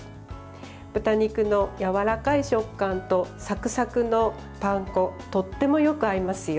豚肉のやわらかい食感とサクサクのパン粉とてもよく合いますよ。